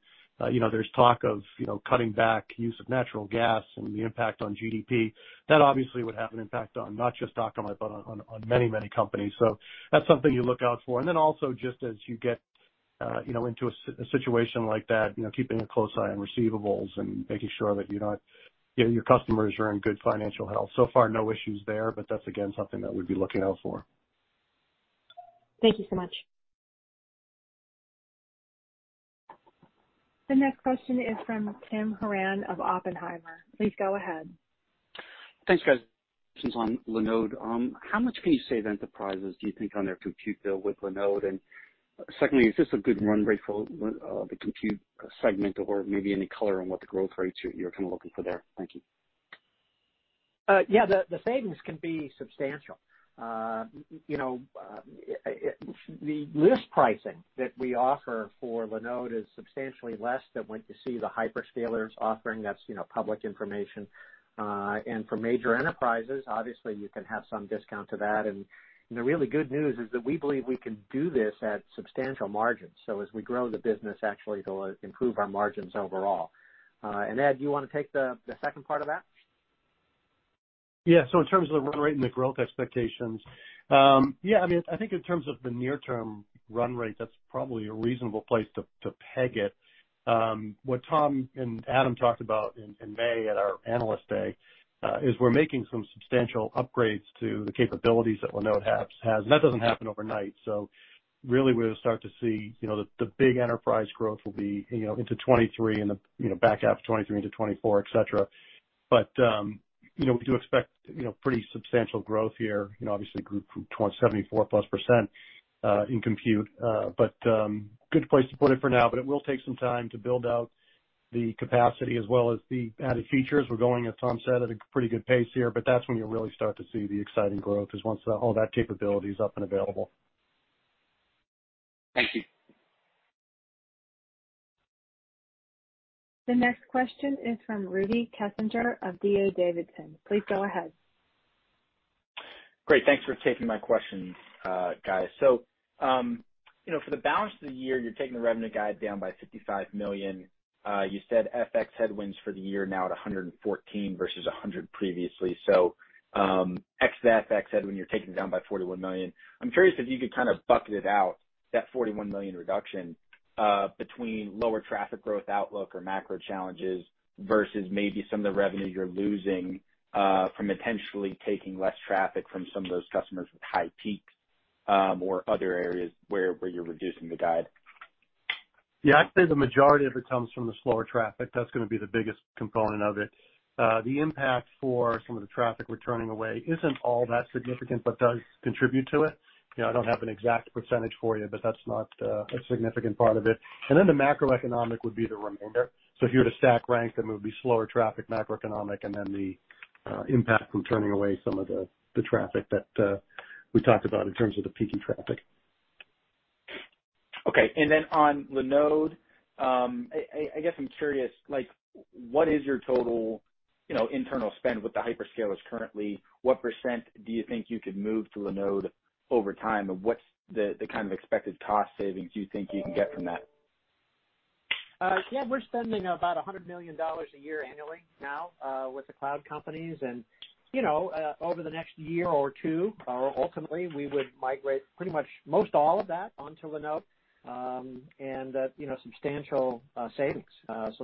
you know, there's talk of you know, cutting back use of natural gas and the impact on GDP. That obviously would have an impact on not just Akamai, but on many companies. That's something you look out for. Just as you get, you know, into a situation like that, you know, keeping a close eye on receivables and making sure that you're not, you know, your customers are in good financial health. So far, no issues there, but that's again, something that we'd be looking out for. Thank you so much. The next question is from Tim Horan of Oppenheimer. Please go ahead. Thanks, guys. Questions on Linode. How much can you save enterprises, do you think, on their compute bill with Linode? Secondly, is this a good run rate for the compute segment or maybe any color on what the growth rates you're kind of looking for there? Thank you. Yeah, the savings can be substantial. You know, the list pricing that we offer for Linode is substantially less than what you see the hyperscalers offering. That's, you know, public information. For major enterprises, obviously you can have some discount to that. The really good news is that we believe we can do this at substantial margins. As we grow the business, actually it'll improve our margins overall. Ed, do you wanna take the second part of that? Yeah. In terms of the run rate and the growth expectations, yeah, I mean, I think in terms of the near term run rate, that's probably a reasonable place to peg it. What Tom and Adam talked about in May at our Analyst Day is we're making some substantial upgrades to the capabilities that Linode has, and that doesn't happen overnight. Really we'll start to see, you know, the big enterprise growth will be, you know, into 2023 and the, you know, back half of 2023 into 2024, et cetera. You know, we do expect, you know, pretty substantial growth here. You know, obviously grew 74%+ in compute. Good place to put it for now, but it will take some time to build out the capacity as well as the added features. We're going, as Tom said, at a pretty good pace here, but that's when you'll really start to see the exciting growth is once all that capability is up and available. Thank you. The next question is from Rudy Kessinger of DA Davidson. Please go ahead. Great. Thanks for taking my questions, guys. You know, for the balance of the year, you're taking the revenue guide down by $55 million. You said FX headwinds for the year now at $114 million versus $100 million previously. The FX headwind you're taking it down by $41 million. I'm curious if you could kind of bucket it out, that $41 million reduction, between lower traffic growth outlook or macro challenges versus maybe some of the revenue you're losing, from potentially taking less traffic from some of those customers with high peaks, or other areas where you're reducing the guide. Yeah, I'd say the majority of it comes from the slower traffic. That's gonna be the biggest component of it. The impact for some of the traffic we're turning away isn't all that significant, but does contribute to it. You know, I don't have an exact percentage for you, but that's not a significant part of it. The macroeconomic would be the remainder. If you were to stack rank them, it would be slower traffic, macroeconomic, and then the impact from turning away some of the traffic that we talked about in terms of the peaking traffic. Okay. On Linode, I guess I'm curious, like what is your total, you know, internal spend with the hyperscalers currently? What percent do you think you could move to Linode over time? And what's the kind of expected cost savings you think you can get from that? Yeah, we're spending about $100 million a year annually now with the cloud companies and, you know, over the next year or two, ultimately we would migrate pretty much most all of that onto Linode, and, you know, substantial savings. That's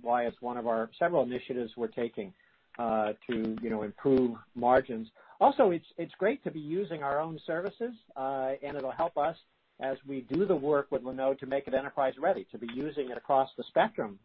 why it's one of our several initiatives we're taking to, you know, improve margins. It's great to be using our own services, and it'll help us as we do the work with Linode to make it enterprise ready to be using it across the spectrum.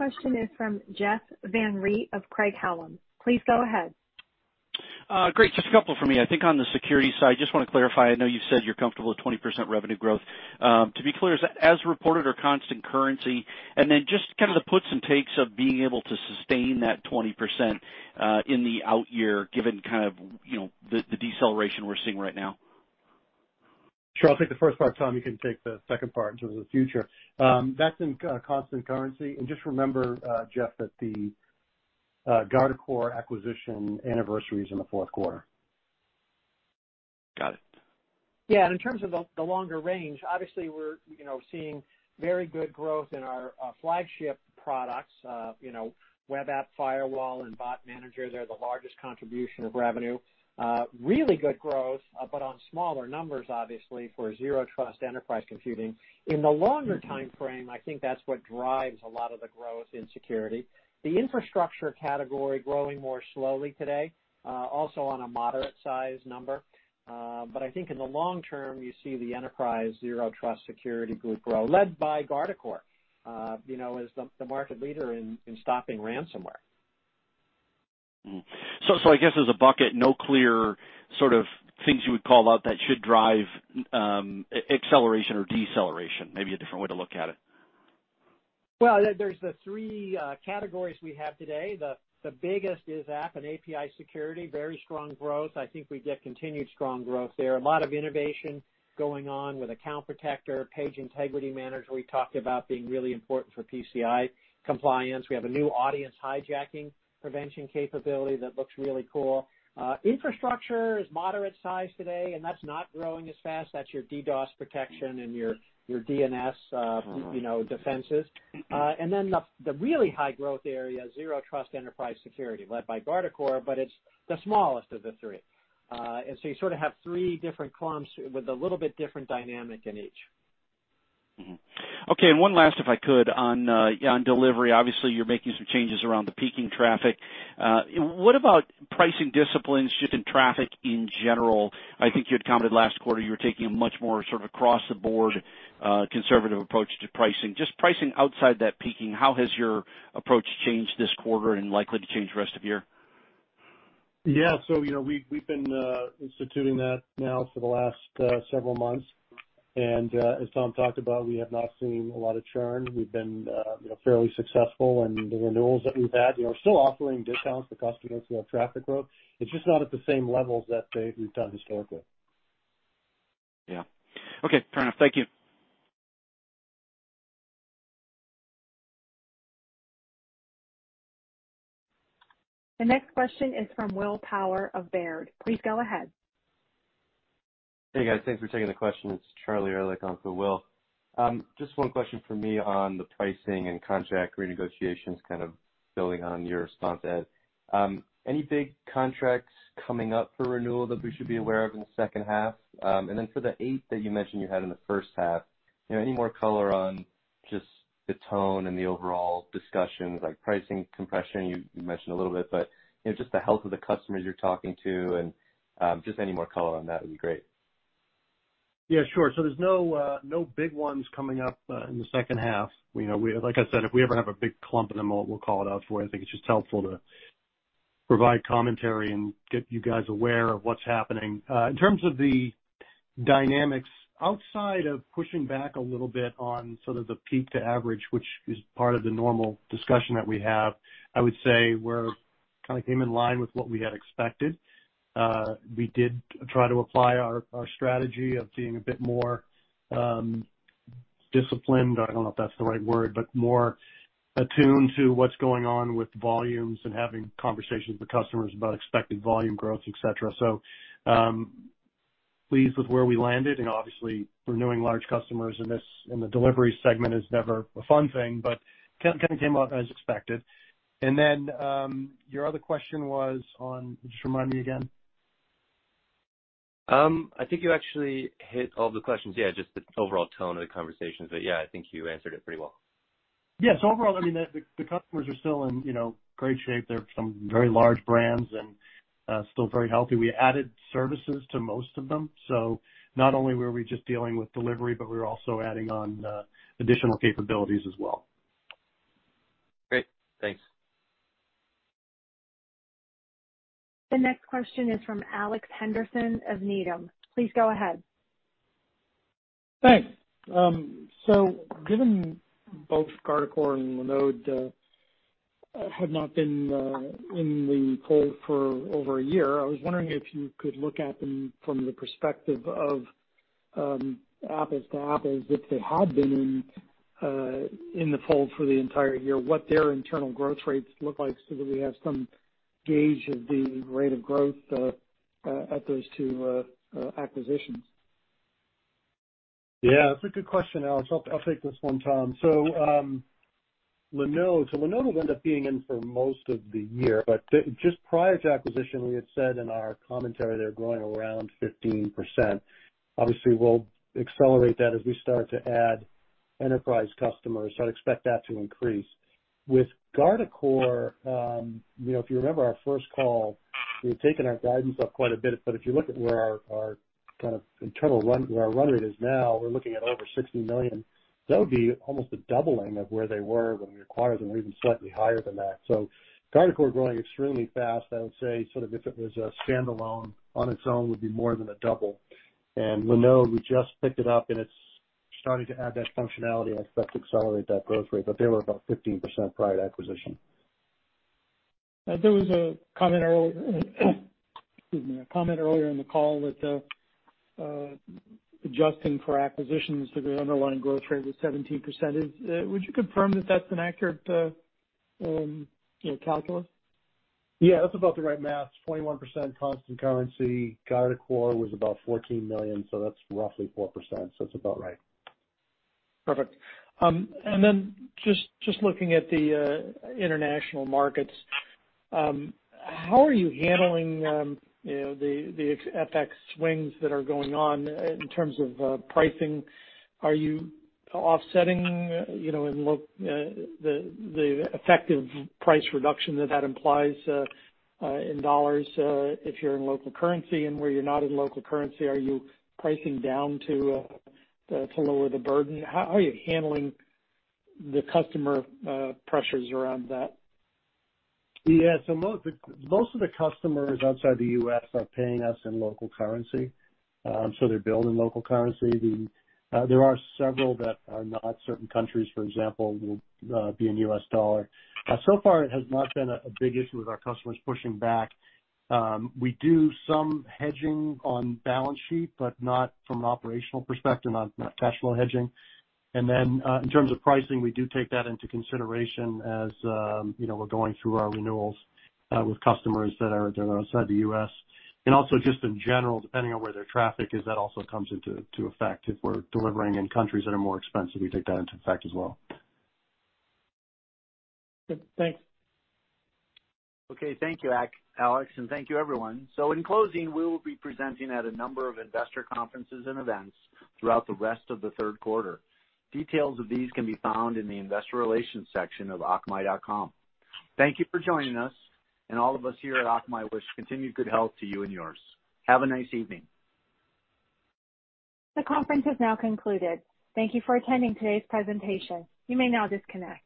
The question is from Jeff Van Rhee of Craig-Hallum. Please go ahead. Great. Just a couple from me. I think on the security side, just wanna clarify, I know you said you're comfortable with 20% revenue growth. To be clear, is that as reported or constant currency? Just kinda the puts and takes of being able to sustain that 20%, in the out year, given kind of, you know, the deceleration we're seeing right now. Sure. I'll take the first part. Tom, you can take the second part into the future. That's in constant currency. Just remember, Jeff, that the Guardicore acquisition anniversary is in the fourth quarter. Got it. Yeah, in terms of the longer range, obviously we're you know seeing very good growth in our flagship products, you know, Web App Firewall and Bot Manager. They're the largest contribution of revenue. Really good growth, but on smaller numbers, obviously, for Zero Trust enterprise computing. In the longer timeframe, I think that's what drives a lot of the growth in security. The infrastructure category growing more slowly today, also on a moderate size number. But I think in the long term, you see the enterprise Zero Trust security group grow, led by Guardicore, you know, as the market leader in stopping ransomware. I guess as a bucket, no clear sort of things you would call out that should drive acceleration or deceleration, maybe a different way to look at it. Well, there's the three categories we have today. The biggest is app and API security, very strong growth. I think we get continued strong growth there. A lot of innovation going on with Account Protector, Page Integrity Manager we talked about being really important for PCI compliance. We have a new Audience Hijacking Protector capability that looks really cool. Infrastructure is moderate size today, and that's not growing as fast. That's your DDoS protection and your DNS, you know, defenses. Then the really high growth area, Zero Trust enterprise security led by Guardicore, but it's the smallest of the three. You sort of have three different clumps with a little bit different dynamic in each. Mm-hmm. Okay, one last, if I could, on delivery. Obviously, you're making some changes around the peaking traffic. What about pricing disciplines just in traffic in general? I think you had commented last quarter you were taking a much more sort of across the board, conservative approach to pricing. Just pricing outside that peaking, how has your approach changed this quarter and likely to change the rest of the year? Yeah, you know, we've been instituting that now for the last several months. As Tom talked about, we have not seen a lot of churn. We've been, you know, fairly successful in the renewals that we've had. You know, we're still offering discounts to customers who have traffic growth. It's just not at the same levels that we've done historically. Yeah. Okay. Fair enough. Thank you. The next question is from Will Power of Baird. Please go ahead. Hey, guys. Thanks for taking the question. It's Charlie Erlikh on for Will. Just one question from me on the pricing and contract renegotiations, kind of building on your response, Ed. Any big contracts coming up for renewal that we should be aware of in the second half? And then for the eight that you mentioned you had in the first half, you know, any more color on just the tone and the overall discussions like pricing compression, you mentioned a little bit, but, you know, just the health of the customers you're talking to and, just any more color on that would be great. Yeah, sure. There's no big ones coming up in the second half. You know, like I said, if we ever have a big clump in the middle, we'll call it out for you. I think it's just helpful to provide commentary and get you guys aware of what's happening. In terms of the dynamics outside of pushing back a little bit on sort of the peak to average, which is part of the normal discussion that we have, I would say we're kinda came in line with what we had expected. We did try to apply our strategy of being a bit more disciplined. I don't know if that's the right word, but more attuned to what's going on with volumes and having conversations with customers about expected volume growth, et cetera. Pleased with where we landed, and obviously renewing large customers in the delivery segment is never a fun thing, but kinda came off as expected. Then, your other question was on, just remind me again. I think you actually hit all the questions. Yeah, just the overall tone of the conversations. Yeah, I think you answered it pretty well. Yes. Overall, I mean, the customers are still in, you know, great shape. They're some very large brands and still very healthy. We added services to most of them, so not only were we just dealing with delivery, but we were also adding on additional capabilities as well. Great. Thanks. The next question is from Alex Henderson of Needham. Please go ahead. Thanks. Given both Guardicore and Linode have not been in the fold for over a year, I was wondering if you could look at them from the perspective of apples to apples, if they had been in the fold for the entire year, what their internal growth rates look like, so that we have some gauge of the rate of growth at those two acquisitions. Yeah, that's a good question, Alex. I'll take this one, Tom. Linode. Linode will end up being in for most of the year, but just prior to acquisition, we had said in our commentary they're growing around 15%. Obviously, we'll accelerate that as we start to add enterprise customers. I'd expect that to increase. With Guardicore, you know, if you remember our first call, we had taken our guidance up quite a bit. But if you look at where our kind of internal run, where our run rate is now, we're looking at over $60 million. That would be almost a doubling of where they were when we acquired them. We're even slightly higher than that. Guardicore growing extremely fast. I would say sort of if it was a standalone on its own, would be more than a double. Linode, we just picked it up and it's starting to add that functionality. I expect to accelerate that growth rate, but they were about 15% prior to acquisition. There was a comment earlier in the call that, adjusting for acquisitions, the underlying growth rate was 17%. Would you confirm that that's an accurate, you know, calculation? Yeah, that's about the right math. 21% constant currency. Guardicore was about $14 million, so that's roughly 4%. It's about right. Perfect. Just looking at the international markets, how are you handling you know the FX swings that are going on in terms of pricing? Are you offsetting, you know, the effective price reduction that implies in dollars, if you're in local currency and where you're not in local currency, are you pricing down to lower the burden? How are you handling the customer pressures around that? Yeah. Most of the customers outside the U.S. are paying us in local currency, so they bill in local currency. There are several that are not. Certain countries, for example, will be in U.S. dollar. So far it has not been a big issue with our customers pushing back. We do some hedging on balance sheet, but not from an operational perspective on cash flow hedging. In terms of pricing, we do take that into consideration as you know, we're going through our renewals with customers that are outside the U.S. Just in general, depending on where their traffic is, that also comes into effect. If we're delivering in countries that are more expensive, we take that into effect as well. Yep. Thanks. Okay. Thank you, Alex, and thank you everyone. In closing, we will be presenting at a number of investor conferences and events throughout the rest of the third quarter. Details of these can be found in the investor relations section of akamai.com. Thank you for joining us and all of us here at Akamai wish continued good health to you and yours. Have a nice evening. The conference has now concluded. Thank you for attending today's presentation. You may now disconnect.